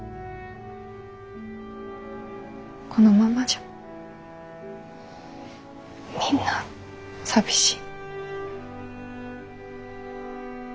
このままじゃみんな寂しい。